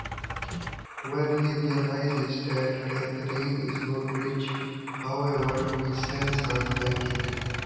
When he realizes that Catherine is not rich, however, he sends her packing.